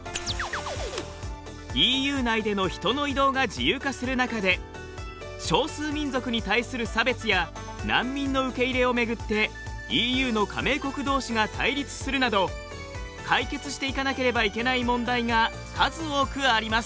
ＥＵ内での人の移動が自由化する中で少数民族に対する差別や難民の受け入れをめぐってＥＵの加盟国どうしが対立するなど解決していかなければいけない問題が数多くあります。